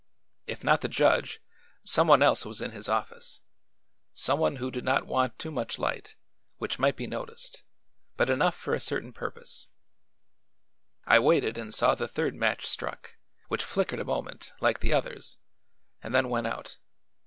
If not the judge, some one else was in his office some one who did not want too much light, which might be noticed, but enough for a certain purpose. "I waited and saw the third match struck, which flickered a moment, like the others, and then went out.